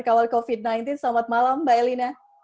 kawal covid sembilan belas selamat malam mbak elina